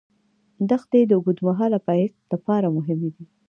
دښتې د اوږدمهاله پایښت لپاره مهمې دي.